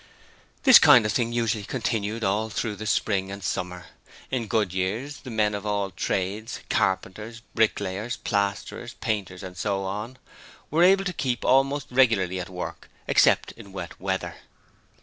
This kind of thing usually continued all through the spring and summer. In good years the men of all trades, carpenters, bricklayers, plasterers, painters and so on, were able to keep almost regularly at work, except in wet weather.